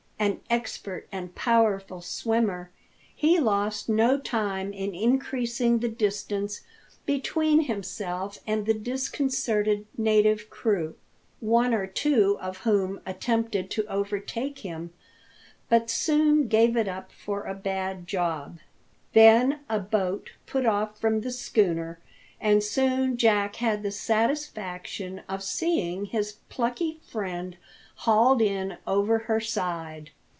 An expert and powerful swimmer, he lost no time in increasing the distance between himself and the disconcerted native crew, one or two of whom attempted to overtake him, but soon gave it up for a bad job. Then a boat put off from the schooner, and soon Jack had the satisfaction of seeing his plucky friend hauled' in over her side.